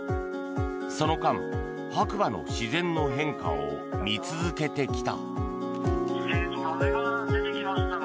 その間、白馬の自然の変化を見続けてきた。